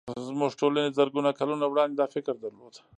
زموږ ټولنې زرګونه کلونه وړاندې دا فکر درلود